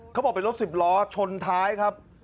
เขาบอกเป็นรถสิบล้อชนท้ายครับ